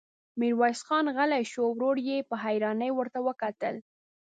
ميرويس خان غلی شو، ورور يې په حيرانۍ ورته کتل.